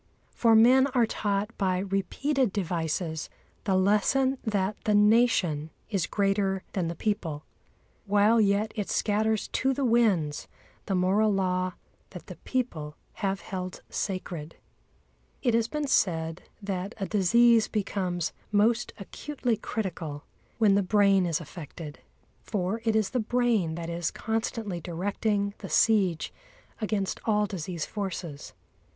For men are taught by repeated devices the lesson that the Nation is greater than the people, while yet it scatters to the winds the moral law that the people have held sacred. It has been said that a disease becomes most acutely critical when the brain is affected. For it is the brain that is constantly directing the siege against all disease forces.